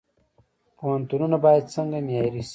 پوهنتونونه باید څنګه معیاري شي؟